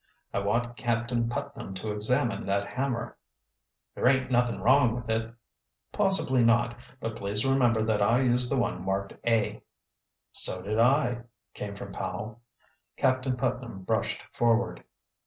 "I want Captain Putnam to examine that hammer." "There ain't nothing wrong with it." "Possibly not. But please remember that I used the one marked A." "So did I," came from Powell. Captain Putnam brushed forward.